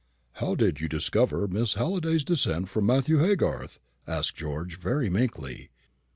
"How did you discover Miss Halliday's descent from Matthew Haygarth?" asked George, very meekly.